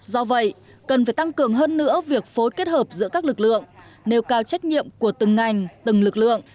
do vậy cần phải tăng cường hơn nữa việc phối kết hợp giữa các lực lượng nêu cao trách nhiệm của từng ngành từng lực lượng